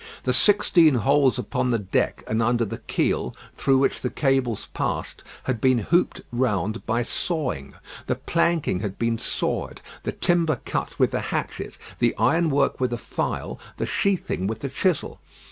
The sixteen holes upon the deck and under the keel, through which the cables passed, had been hooped round by sawing. The planking had been sawed, the timber cut with the hatchet, the ironwork with a file, the sheathing with the chisel.